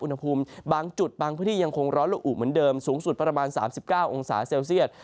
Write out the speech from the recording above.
อุณหภูมิบางจุดบางพื้นที่ยังคงร้อนละอุเหมือนเดิมสูงสุดประมาณ๓๙องศาเซลเซียต